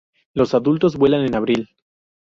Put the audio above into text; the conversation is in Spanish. Los adultos vuelan en abril.